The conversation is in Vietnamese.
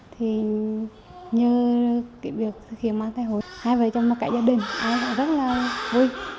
thì như kiện việc thực hiện mang thai hộ hai vợ chồng và cả gia đình rất là vui